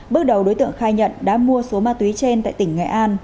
bước đầu đối tượng khai nhận đã mua số ma túy trên tại tỉnh nghệ an